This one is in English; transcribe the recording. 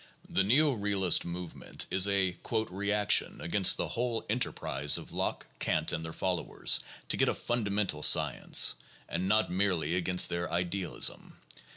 The neo realist movement is a "reac tion against the whole enterprise of Locke, Kant, and their follow ers, to get a fundamental science, and not merely against their ideal ism.